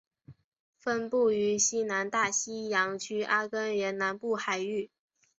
分布于西南大西洋区阿根廷南部海域。